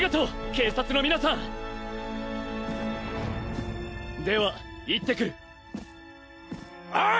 警察の皆さんでは行ってくるおい！